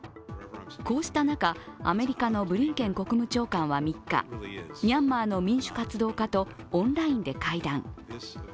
こうした中、アメリカのブリンケン国務長官は３日、ミャンマーの民主活動家とオンラインで会談。